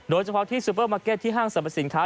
โดยเฉพาะที่ซูเปอร์มาร์เก็ตที่ห้างสรรพสินค้า